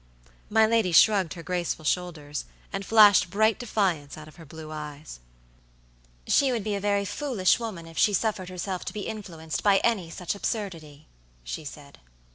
My lady shrugged her graceful shoulders, and flashed bright defiance out of her blue eyes. "She would be a very foolish woman if she suffered herself to be influenced by any such absurdity," she said.